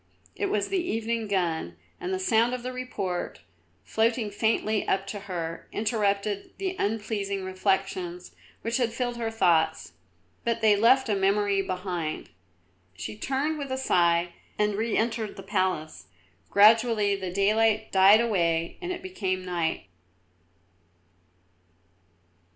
It was the evening gun, and the sound of the report, floating faintly up to her, interrupted the unpleasing reflections which had filled her thoughts; but they left a memory behind. She turned with a sigh and re entered the palace; gradually the daylight died away and it became night.